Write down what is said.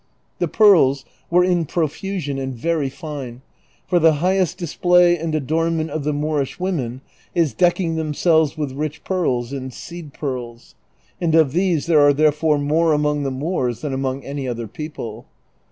The pearls were in profusion and very fine, for the highest disjjlay and adornment of the Moorish women is decking themselves with rich pearls and seed pearls ; and of these there are therefore more among the Moors than among any other people.